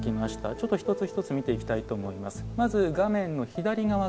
ちょっと一つ一つ見ていきたいと思います。